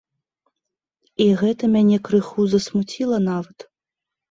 І гэта мяне крыху засмуціла нават.